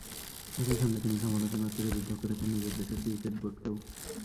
একই সঙ্গে তিনি সমালোচনার তিরে বিদ্ধ করেছেন নিজের দেশের ক্রিকেট বোর্ডকেও।